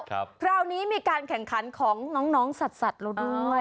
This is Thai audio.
คราวนี้มีการแข่งขันของน้องสัตว์เราด้วย